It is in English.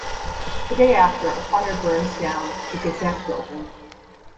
The day after, a fire burns down "The Gazette" building.